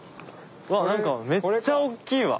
何かめっちゃおっきいわ。